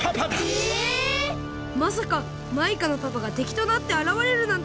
まさかマイカのパパがてきとなってあらわれるなんて！